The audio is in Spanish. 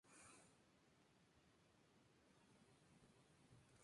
Esta ruta tuvo dos trazados diferentes.